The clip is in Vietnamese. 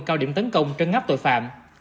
cao điểm tấn công trân ngắp tội phạm